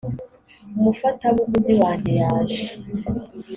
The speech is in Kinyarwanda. umufatabuguzi wanjye yaje